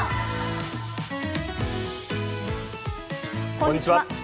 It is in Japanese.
こんにちは。